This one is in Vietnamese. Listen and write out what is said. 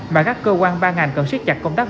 mà các cơ quan ban ảnh cần xét chặt công tác